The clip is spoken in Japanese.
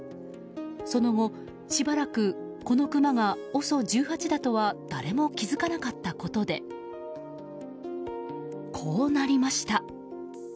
その後しばらくこのクマがＯＳＯ１８だとは誰も気づかなかったことでこうなりました。